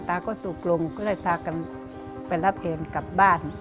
ตาก็ถูกลงก็เลยพากันไปรับแอนกลับบ้าน